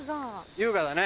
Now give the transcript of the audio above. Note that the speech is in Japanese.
優雅だね。